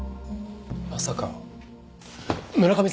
まさか村上さんは自殺？